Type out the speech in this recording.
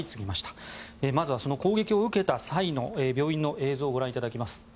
まずはその攻撃を受けた際の病院の映像をご覧いただきます。